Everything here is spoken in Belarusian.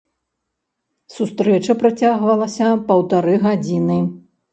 Сустрэча працягвалася паўтары гадзіны.